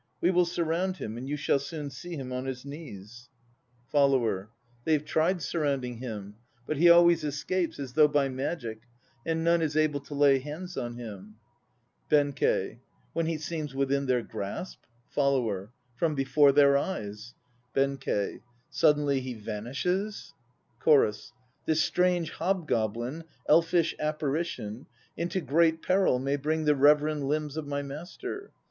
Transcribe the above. We will surround him and you shall soon see him on his knees. A.M. 81 82 THE NO PLAYS OF JAPAN FOLLOWER. They have tried surrounding him, but he always escapes as though by magic, and none is able to lay hands on him. BENKEI. When he seems within their grasp FOLLOWER. From before their eyes BENKEI. Suddenly he vanishes. CHORUS. This strange hobgoblin, elfish apparition, Into great peril may bring The reverend limbs of my master.